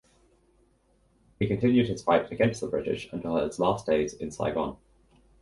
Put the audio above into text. He continued his fight against the British until his last days in Saigon.